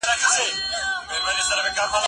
دا یوه لویه علمي بریا ده.